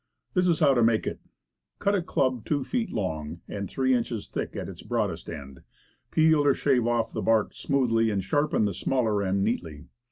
This is how to make it: Cut a club two feet long and three inches thick at the broadest end ; peel or shave off the bark smoothly, and sharpen the smaller end neatly.